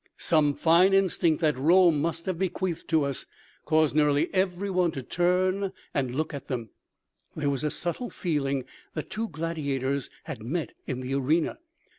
Some fine instinct that Rome must have bequeathed to us caused nearly every one to turn and look at them—there was a subtle feeling that two gladiators had met in the arena.